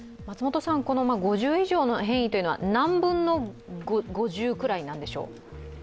５０以上の変異というのは何分の５０くらいなんでしょう？